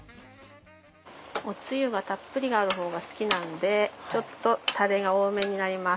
おつゆがたっぷりあるほうが好きなんでちょっとタレが多めになります。